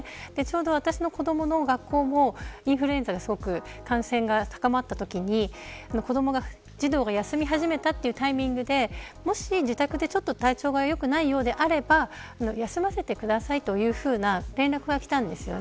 私の子どもの学校もインフルエンザの感染が高まったときに児童が休み始めたというタイミングで自宅で体調が良くないようであれば休ませてくださいというふうな連絡が来たんです。